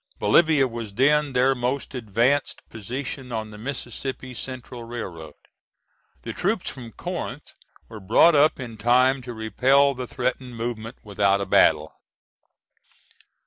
Bolivia was then their most advanced position on the Mississippi Central Railroad. The troops from Corinth were brought up in time to repel the threatened movement without a battle.